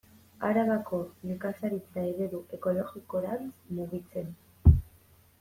Arabako nekazaritza eredu ekologikorantz mugitzen.